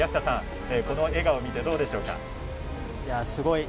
この笑顔を見てどうですか。